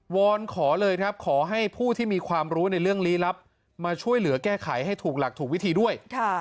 อนขอเลยครับขอให้ผู้ที่มีความรู้ในเรื่องลี้ลับมาช่วยเหลือแก้ไขให้ถูกหลักถูกวิธีด้วย